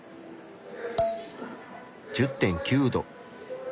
１０．９℃。